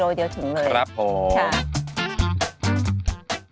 ก็จะเชิญชวนน้ำชมทางบ้านที่